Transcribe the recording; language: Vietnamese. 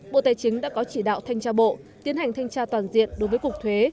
bộ tài chính đã có chỉ đạo thanh tra bộ tiến hành thanh tra toàn diện đối với cục thuế